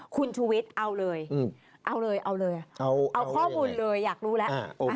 คุณชูวิทย์เอาเลยเอาเลยเอาเลยเอาข้อมูลเลยอยากรู้แล้ว